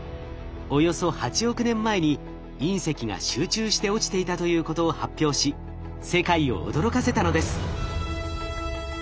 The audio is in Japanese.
およそ８億年前に隕石が集中して落ちていたということを発表し世界を驚かせたのです。